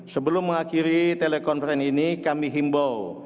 sebelum mengakhiri telekonferensi ini kami himbau